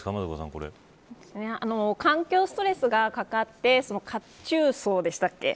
環境ストレスがかかって褐虫藻でしたっけ